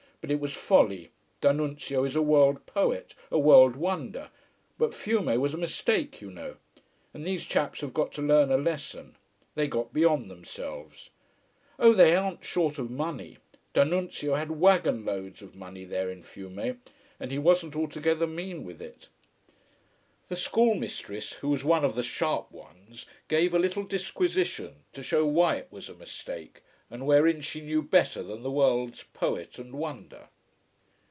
But it was folly. D'Annunzio is a world poet a world wonder but Fiume was a mistake you know. And these chaps have got to learn a lesson. They got beyond themselves. Oh, they aren't short of money. D'Annunzio had wagon loads of money there in Fiume, and he wasn't altogether mean with it." The schoolmistress, who was one of the sharp ones, gave a little disquisition to show why it was a mistake, and wherein she knew better than the world's poet and wonder.